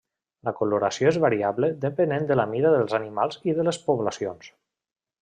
La coloració és variable depenent de la mida dels animals i de les poblacions.